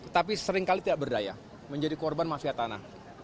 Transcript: tapi seringkali tidak berdaya menjadi korban mafia tanah